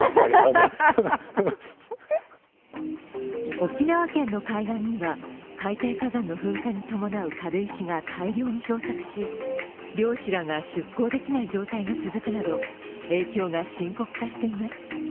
沖縄県の海岸には海底火山の噴火に伴う軽石が大量に漂着し、漁師らが出港できない状態が続くなど、影響が深刻化しています。